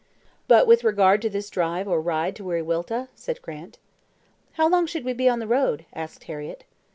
"But, with regard to this drive or ride to Wiriwilta?" said Grant. "How long should we be on the road?" asked Harriett.